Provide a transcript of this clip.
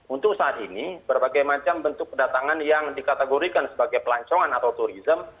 untuk saat ini berbagai macam bentuk kedatangan yang dikategorikan sebagai pelancongan atau turisme